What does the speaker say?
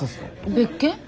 別件？